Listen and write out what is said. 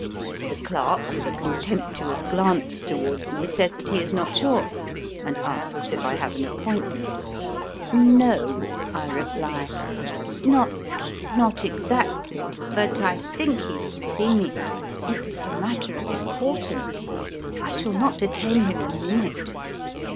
The clerk, with a contemptuous glance towards me, says that he is not sure, and asks if I have an appointment. " No," I reply ;" not not exactly, but I think he will see me. It s a matter of importance. I shall not detain him a minute."